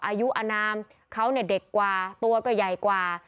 อายุอนามเขาเนี่ยเด็กกว่าตัวก็ใหญ่กว่า